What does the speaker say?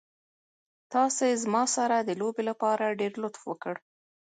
تاسې زما سره د لوبې لپاره ډېر لطف وکړ.